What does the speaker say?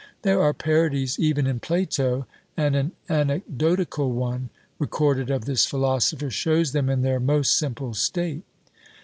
There are parodies even in Plato; and an anecdotical one, recorded of this philosopher, shows them in their most simple state.